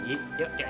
yuk yuk yuk